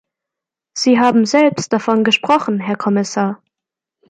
Sie haben selbst davon gesprochen, Herr Kommissar.